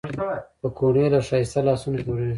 پکورې له ښایسته لاسونو جوړېږي